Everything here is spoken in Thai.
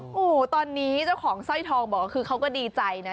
โอ้โหตอนนี้เจ้าของสร้อยทองบอกว่าคือเขาก็ดีใจนะ